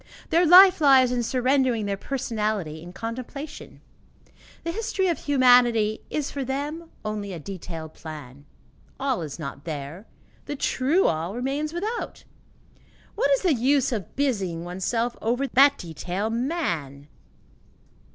Their life lies in surrendering their personality in contemplation. The history of humanity is for them only a detailed plan. All is not there; the true All remains without; what is the use of busying oneself over that detail, man?